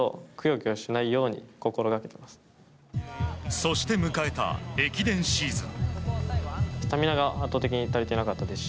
そして迎えた駅伝シーズン。